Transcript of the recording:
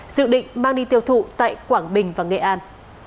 dự định mang đi tiêu thụ tại quảng bình và nghệ an